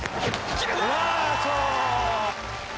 決めた！